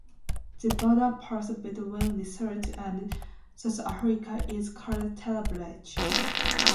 The border post between Lesotho and South Africa is called Tele Bridge.